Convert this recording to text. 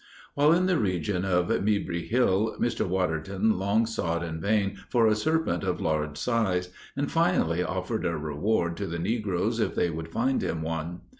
While in the region of Mibri Hill, Mr. Waterton long sought in vain for a serpent of large size, and finally, offered a reward to the negroes if they would find him one.